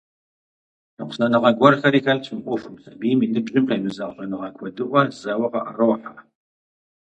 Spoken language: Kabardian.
Ныкъусаныгъэ гуэрхэри хэлъщ мы Ӏуэхум — сабийм и ныбжьым къемызэгъ щӀэныгъэ куэдыӀуэ зэуэ къыӀэрохьэ.